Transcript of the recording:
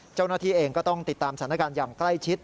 เจ้าหน้าที่เองก็ต้องติดตามสถานการณ์อย่างใกล้ชิด